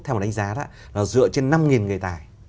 theo một đánh giá đó là dựa trên năm người tài